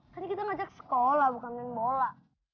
tadi kita ngajak sekolah bukan main bola